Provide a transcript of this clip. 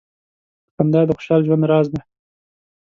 • خندا د خوشال ژوند راز دی.